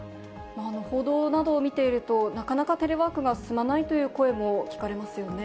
報道などを見ていると、なかなかテレワークが進まないという声も聞かれますよね。